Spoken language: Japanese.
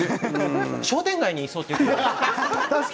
商店街にいそうと言われます。